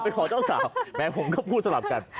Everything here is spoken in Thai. ขอเจ้าสาวแม้ผมก็พูดสลับกัน